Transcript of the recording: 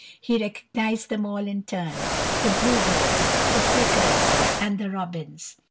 He recognized them all in turn: the bluebirds, the flickers and the robins.